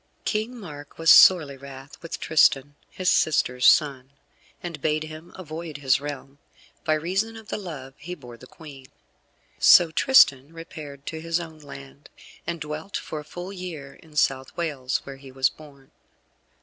King Mark was sorely wrath with Tristan, his sister's son, and bade him avoid his realm, by reason of the love he bore the Queen. So Tristan repaired to his own land, and dwelt for a full year in South Wales, where he was born.